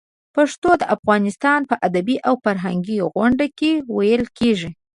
پښتو د افغانستان په ادبي او فرهنګي غونډو کې ویلې کېږي.